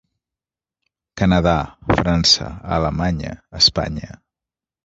Canadà, França, Alemanya, Espanya.